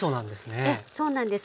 そうなんです。